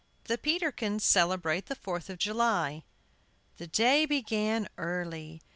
] THE PETERKINS CELEBRATE THE FOURTH OF JULY. THE day began early.